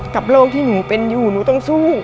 กับโรคที่หนูเป็นอยู่หนูต้องสู้